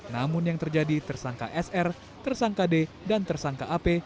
namun yang terjadi tersangka sr tersangka d dan tersangka ap